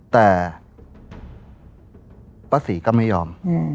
แต่ป้าศรีก็ไม่ยอม